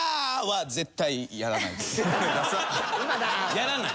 やらない？